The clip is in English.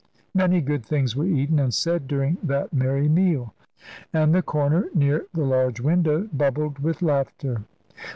Many good things were eaten and said during that merry meal, and the corner near the large window bubbled with laughter.